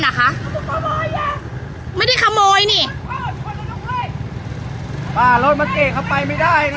ไปค่ะเมายาปะคะถามจริง